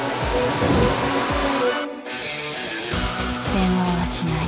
電話はしない。